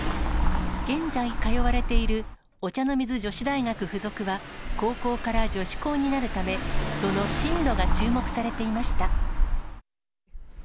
現在、通われているお茶の水女子大学附属は、高校から女子校になるため、その進路が注目されていました。